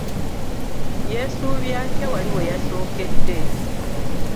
Yeesubye atya wali we yasookedde?